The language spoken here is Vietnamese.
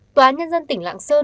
tòa án nhân dân tỉnh lạng sơn